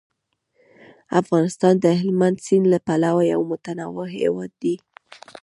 افغانستان د هلمند سیند له پلوه یو متنوع هیواد دی.